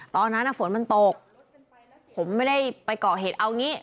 ตอนนั้นฝนมันตกผมไม่ได้ไปเกาะเหตุเอางี้